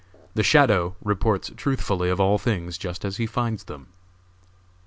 The "shadow" reports truthfully of all things just as he finds them.